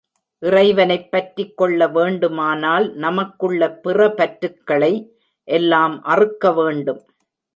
இறைவனைப் பற்றிக்கொள்ள வேண்டுமானால் நமக்குள்ள பிற பற்றுக்களை எல்லாம் அறுக்க வேண்டும்.